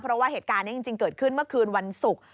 เพราะว่าเหตุการณ์นี้จริงเกิดขึ้นเมื่อคืนวันศุกร์